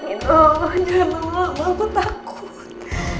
jangan lama lama aku takut